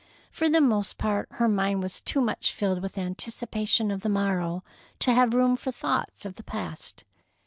For the most part, her mind was too much filled with anticipation of the morrow to have room for thoughts of the past.